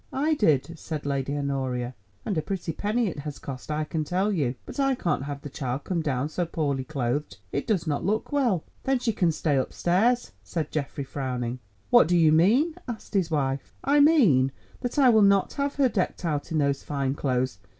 "I did," said Lady Honoria, "and a pretty penny it has cost, I can tell you. But I can't have the child come down so poorly clothed, it does not look well." "Then she can stay upstairs," said Geoffrey frowning. "What do you mean?" asked his wife. "I mean that I will not have her decked out in those fine clothes.